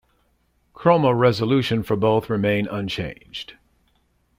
Chroma resolution for both remain unchanged.